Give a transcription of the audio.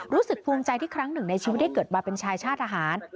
รู้สึกภูมิใจที่ครั้งหนึ่งในชีวิตได้เกิดมาเป็นชายชาติทหาร